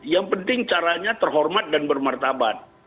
yang penting caranya terhormat dan bermartabat